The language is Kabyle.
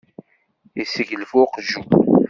Yesseglef uqjun.